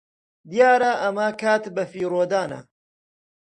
دیارە ئەمە کات بەفیڕۆدانە.